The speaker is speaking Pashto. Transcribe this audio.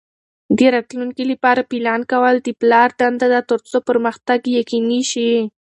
د راتلونکي لپاره پلان کول د پلار دنده ده ترڅو پرمختګ یقیني شي.